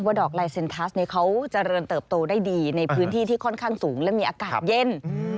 ดอกลายเซ็นทัสเขาเจริญเติบโตได้ดีในพื้นที่ที่ค่อนข้างสูงและมีอากาศเย็น